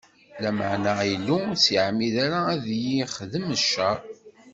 Lameɛna Illu ur s-iɛemmed ara ad yi-ixdem cceṛ.